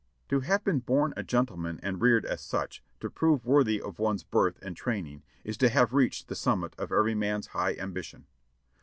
To have been born a gentleman and reared as such, to prove worthy of one's birth and training, is to have reached the summit of every man's high ambition.